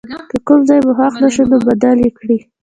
که کوم ځای مو خوښ نه شو نو بدل یې کړئ.